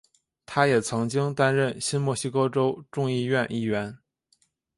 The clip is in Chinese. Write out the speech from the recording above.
他也曾经担任新墨西哥州众议院议员。